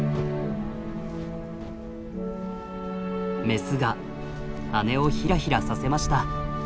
メスが羽をひらひらさせました。